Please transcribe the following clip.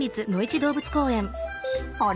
あれ？